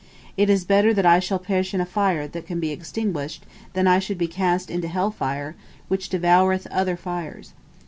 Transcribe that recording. It is better that I should perish in a fire that can be extinguished than I should be cast into hell fire, which devoureth other fires.